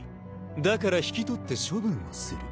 だから引き取って処分をする。